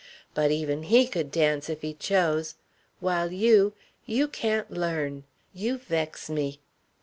But even he could dance if he chose; while you you can't learn! You vex me.